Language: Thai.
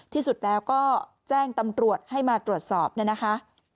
ที่สุดแล้วก็แจ้งตำรวจให้มาตรวจสอบเนี่ยนะคะ